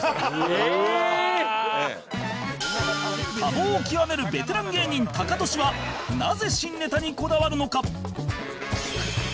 多忙を極めるベテラン芸人タカトシはなぜ新ネタにこだわるのか？